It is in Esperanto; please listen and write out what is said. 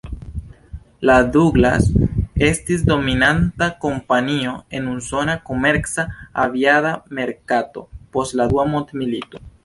La Douglas estis dominanta kompanio en usona komerca aviada merkato post la dua mondmilito.